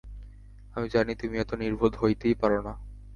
আমি জানি, তুমি এত নির্বোধ হইতেই পার না।